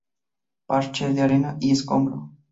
Parches de arena y escombro.